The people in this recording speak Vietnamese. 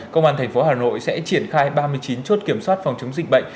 công an thành phố hà nội sẽ triển khai ba mươi chín chốt kiểm soát phòng chống dịch bệnh